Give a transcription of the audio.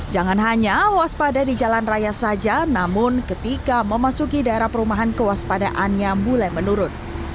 jangan hanya waspada di jalan raya saja namun ketika memasuki daerah perumahan kewaspadaannya mulai menurun